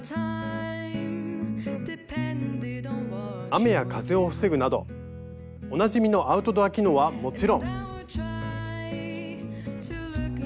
雨や風を防ぐなどおなじみのアウトドア機能はもちろん。